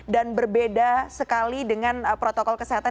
dan berbeda sekali dengan protokol kesehatan